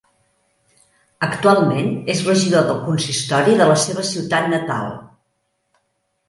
Actualment és regidor del consistori de la seva ciutat natal.